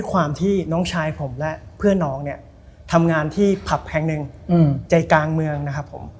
ความที่น้องชายผมและเพื่อนน้องเนี่ยทำงานที่ผับแห่งหนึ่งใจกลางเมืองนะครับผม